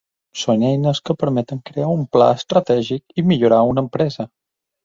Són eines que permeten crear un pla estratègic i millorar una empresa.